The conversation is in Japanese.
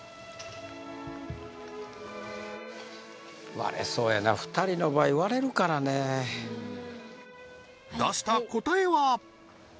割れそうやな２人の場合割れるからね出した答えは？